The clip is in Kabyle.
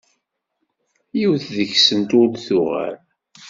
Yiwet deg-sent ur d-tuɣal.